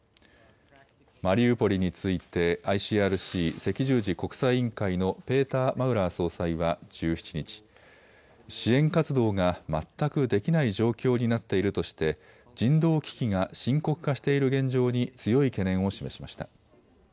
マリウポリについてＩＣＲＣ・赤十字国際委員会のペーター・マウラー総裁は１７日、支援活動が全くできない状況になっているとして人道危機が深刻化している現状に強い懸念を示しました。